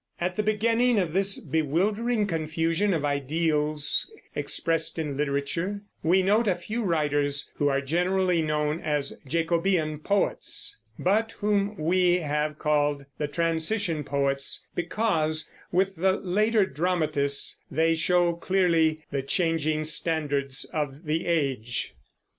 At the beginning of this bewildering confusion of ideals expressed in literature, we note a few writers who are generally known as Jacobean poets, but whom we have called the Transition poets because, with the later dramatists, they show clearly the changing standards of the age.